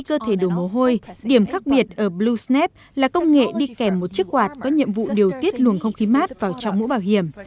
cơ thể đồ mồ hôi điểm khác biệt ở blue snap là công nghệ đi kèm một chiếc quạt có nhiệm vụ điều tiết luồng không khí mát vào trong mũ bảo hiểm